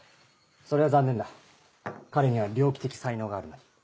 それは残念だ彼には猟奇的才能があるのに。